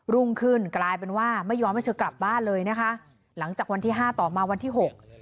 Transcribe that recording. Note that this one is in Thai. รุ่งขึ้นกลายเป็นว่าไม่ยอมให้เธอกลับบ้านเลยนะคะหลังจากวันที่ห้าต่อมาวันที่หก